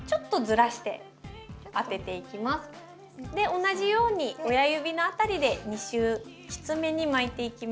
同じように親指の辺りで２周きつめに巻いていきます。